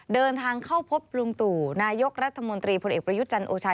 เดินทางเข้าพบลุงตู่นายกรัฐมนตรีพลเอกประยุทธ์จันทร์โอชา